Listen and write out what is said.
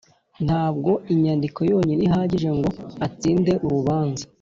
Ntabwo inyandiko yonyine ihagije ngo atsinde urubanza